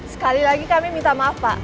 sekali lagi kami minta maaf pak